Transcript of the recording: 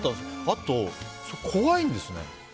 あと、怖いんですね。